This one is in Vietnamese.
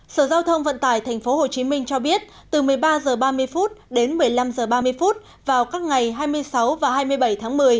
sở giao thông vận tải tp hcm cho biết từ một mươi ba h ba mươi đến một mươi năm h ba mươi vào các ngày hai mươi sáu và hai mươi bảy tháng một mươi